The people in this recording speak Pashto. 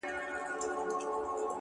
سوله كوم خو زما دوه شرطه به حتمآ منې _